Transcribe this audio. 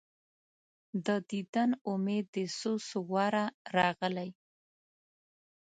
د دیدن امید دي څو، څو واره راغلی